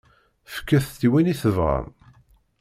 Fket-tt i win i tebɣam.